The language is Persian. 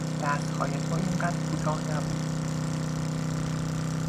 دستهای تو این قدر کوتاه نبود.